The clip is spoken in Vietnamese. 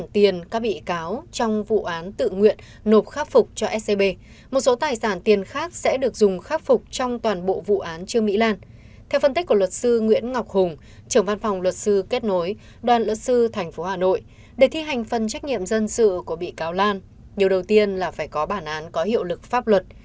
theo phân tích của luật sư nguyễn ngọc hùng trưởng văn phòng luật sư kết nối đoàn luật sư tp hà nội để thi hành phần trách nhiệm dân sự của bị cáo lan điều đầu tiên là phải có bản án có hiệu lực pháp luật